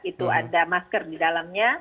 itu ada masker di dalamnya